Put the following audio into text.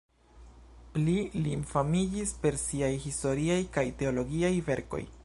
Pli li famiĝis per siaj historiaj kaj teologiaj verkoj.